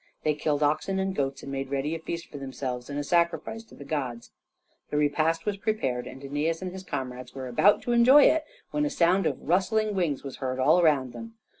They killed oxen and goats, and made ready a feast for themselves, and a sacrifice for the gods. The repast was prepared, and Æneas and his comrades were about to enjoy it, when a sound of rustling wings was heard all round them.